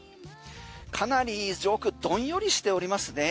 かなり上空どんよりしておりますね。